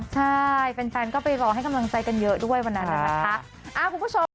ใช่แฟนก็ไปรอให้กำลังใจกันเยอะด้วยวันนั้นนะคะคุณผู้ชม